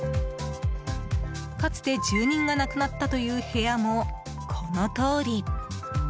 かつて住人が亡くなったという部屋も、このとおり。